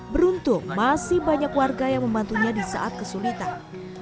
beruntung masih banyak warga yang membantunya di saat kesulitan